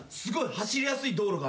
走りやすい道路は。